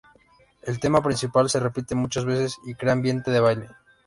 El tema principal se repite muchas veces y crea ambiente de baile.